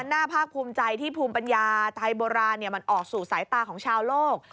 ภาคภูมิใจที่ภูมิปัญญาไทยโบราณมันออกสู่สายตาของชาวโลก